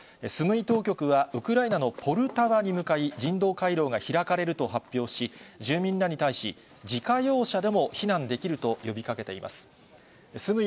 スムイ当局は、ウクライナのポルタワに向かい、人道回廊が開かれると発表し、住民らに対し、自家用車でも避難できると呼びかけています。